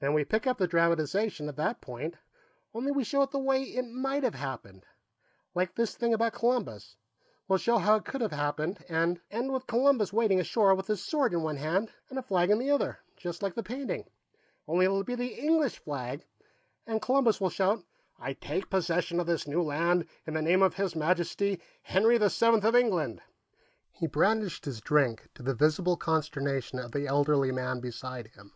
Then we pick up the dramatization at that point, only we show it the way it might have happened. Like this thing about Columbus; we'll show how it could have happened, and end with Columbus wading ashore with his sword in one hand and a flag in the other, just like the painting, only it'll be the English flag, and Columbus will shout: 'I take possession of this new land in the name of His Majesty, Henry the Seventh of England!'" He brandished his drink, to the visible consternation of the elderly man beside him.